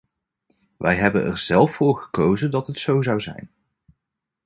Wij hebben er zelf voor gekozen dat het zo zou zijn.